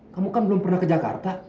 kamu kan belum pernah ke jakarta